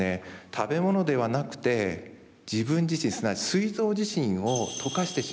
食べ物ではなくて自分自身すなわちすい臓自身を溶かしてしまう。